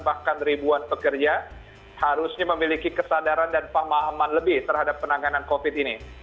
bahkan ribuan pekerja harusnya memiliki kesadaran dan pemahaman lebih terhadap penanganan covid ini